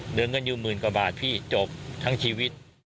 เหลือเงินอยู่หมื่นกว่าบาทพี่จบทั้งชีวิต